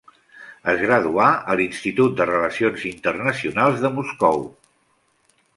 Es graduà a l'Institut de Relacions Internacionals de Moscou.